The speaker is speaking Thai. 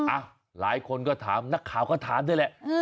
หลายคนก็ถามนักข่าวก็ถามด้วยแหละ